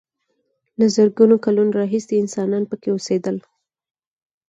له زرګونو کالونو راهیسې انسانان پکې اوسېدل.